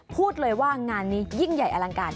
พูดเลยว่างานนี้ยิ่งใหญ่อลังการ